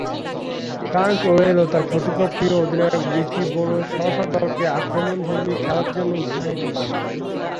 Frank Worrell ও তার প্রতিপক্ষীয় অধিনায়ক রিচি বেনো স্ব-স্ব দলকে আক্রমণধর্মী খেলার জন্যে উৎসাহিত করেন।